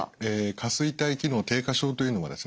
下垂体機能低下症というのはですね